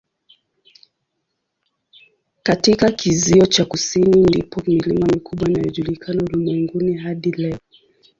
Katika kizio cha kusini ndipo milima mikubwa inayojulikana ulimwenguni hadi leo.